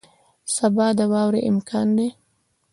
سبا د واورې امکان دی